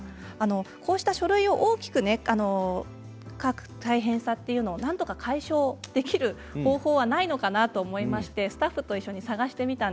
こうした書類を書く大変さを解消できる方法はないのかなと思いまして、スタッフと一緒に探してみました。